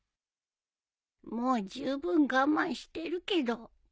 もう十分我慢してるけど。